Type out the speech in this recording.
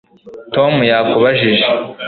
tom yakubajije